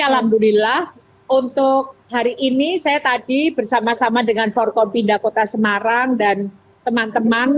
alhamdulillah untuk hari ini saya tadi bersama sama dengan for konfida kota semarang dan teman teman